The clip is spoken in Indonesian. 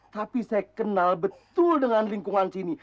tapi saya kenal betul dengan lingkungan sini